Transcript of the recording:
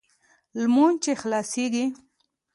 لمونځ چې خلاصېږي.